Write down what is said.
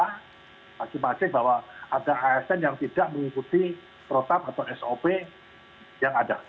masing masing bahwa ada asn yang tidak mengikuti protap atau sop yang ada